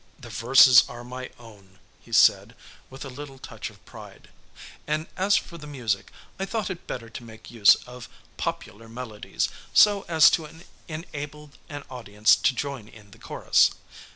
"The verses are my own," he said, with a little touch of pride; "and as for the music, I thought it better to make use of popular melodies, so as to enable an audience to join in the chorus.